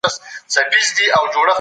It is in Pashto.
تعلیمي بڼه هم لري.